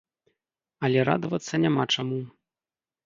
Але радавацца няма чаму.